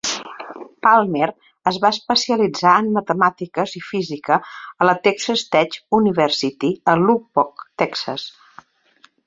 Palmer es va especialitzar en Matemàtiques i Física a la Texas Tech University, a Lubbock (Texas).